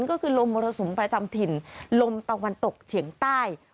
ก็คือลมมรสุมประจำถิ่นลมตะวันตกเฉียงใต้